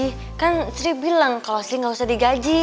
nah ini kan sri bilang kalau sih gak usah digaji